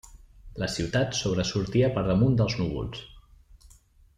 La ciutat sobresortia per damunt dels núvols.